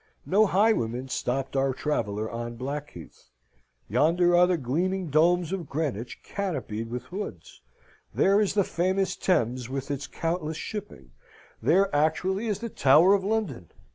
No highwayman stopped our traveller on Blackheath. Yonder are the gleaming domes of Greenwich, canopied with woods. There is the famous Thames, with its countless shipping; there actually is the Tower of London.